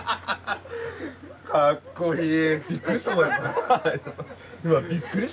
かっこいい。